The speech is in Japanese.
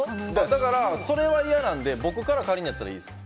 だから、それは嫌なので僕から借りるんだったらいいです。